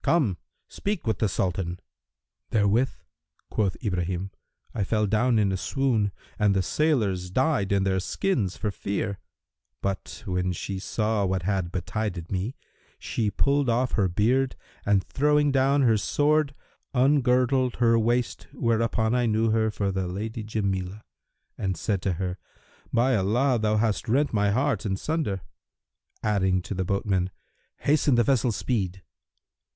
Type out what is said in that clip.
Come: speak with the Sultan."[FN#334] "Therewith" (quoth Ibrahim) "I fell down in a swoon and the sailors died[FN#335] in their skins for fear; but, when she saw what had betided me, she pulled off her beard and throwing down her sword, ungirdled her waist whereupon I knew her for the Lady Jamilah and said to her, 'By Allah, thou hast rent my heart in sunder!'[FN#336] adding to the boatmen, 'Hasten the vessel's speed.'